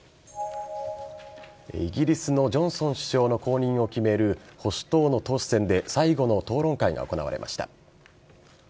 イギリスのジョンソン首相の後任を決める保守党の党首選で最後の討論会が行われました。